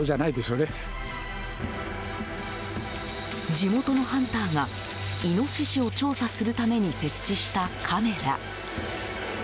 地元のハンターがイノシシを調査するために設置したカメラ。